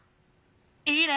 いいね！